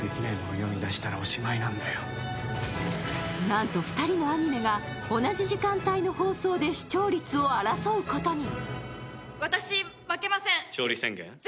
なんと２人のアニメが同じ時間帯の放送で視聴率を争うことに！